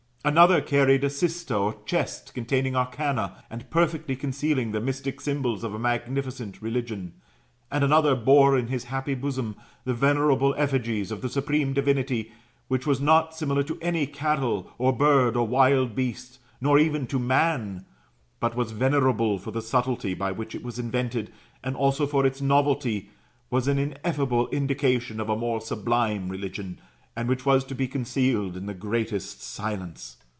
Another carried a cista, or chest, containing arcana, and perfectly concealing the mystic symbols of a magnificent religion. And another bore in his happy bosom the venerable effigies of the supreme divinity, which was not similar to any cattle, or bird, or wild beast, nor even to man ; but being venerable for the subtilty by which it was invented, and also for its novelty, was an inefiable indication of a more sublime religion, and which was to be concealed in the greatest silence.